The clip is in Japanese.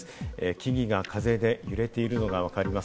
木々が風で揺れているのがわかります。